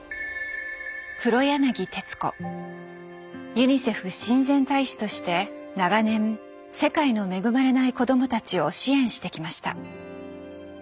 ユニセフ親善大使として長年世界の恵まれない子供たちを支援してきました。